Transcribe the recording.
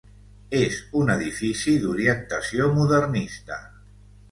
És un edifici d'orientació modernista.